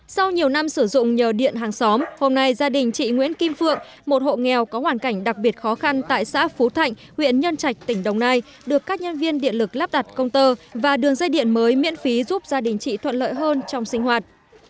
sau nhiều năm sử dụng nhờ điện hàng xóm hôm nay gia đình chị nguyễn kim phượng một hộ nghèo có hoàn cảnh đặc biệt khó khăn tại xã phú thạnh huyện nhân trạch tỉnh đồng nai được các nhân viên điện lực lắp đặt công tơ và đường dây điện mới miễn phí giúp gia đình chị thuận lợi hơn trong sinh hoạt